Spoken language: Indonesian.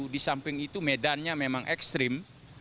di samping itu medannya memang ekstrim